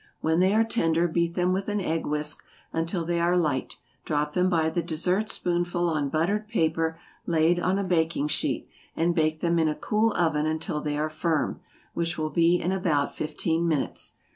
When they are tender beat them with an egg whisk until they are light, drop them by the dessert spoonful on buttered paper laid on a baking sheet, and bake them in a cool oven until they are firm, which will be in about fifteen minutes.